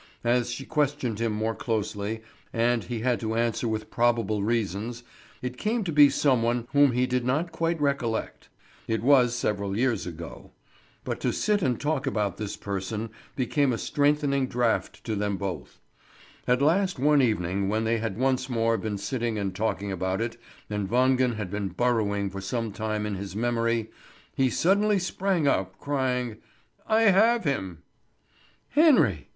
As she questioned him more closely, and he had to answer with probable reasons, it came to be some one whom he did not yet quite recollect: it was several years ago. But to sit and talk about this person became a strengthening draught to them both. At last one evening, when they had once more been sitting and talking about it, and Wangen had been burrowing for some time in his memory, he suddenly sprang up, crying: "I have him!" "Henry!"